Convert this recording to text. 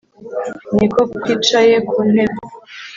Ni ko kwicaye ku ntebe